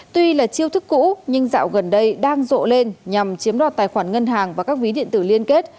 tuy là chiêu thức cũ nhưng dạo gần đây đang rộ lên nhằm chiếm đoạt tài khoản ngân hàng và các ví điện tử liên kết